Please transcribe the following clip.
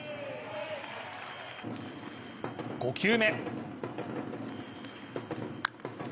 ５球目。